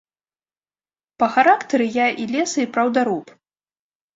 Па характары я і леса- і праўдаруб.